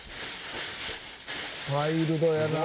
ワイルドやな。